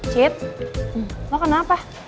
cit lo kenapa